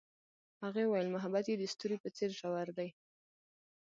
هغې وویل محبت یې د ستوري په څېر ژور دی.